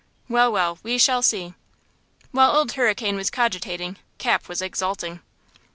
Well, well, we shall see!" While Old Hurricane was cogitating Cap was exulting.